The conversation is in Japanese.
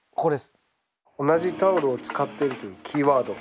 同じタオルを使ってるというキーワード